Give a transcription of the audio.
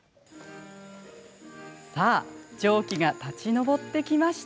さあ、蒸気が立ち上ってきました。